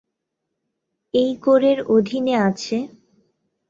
এই কোরের অধীনে আছেঃ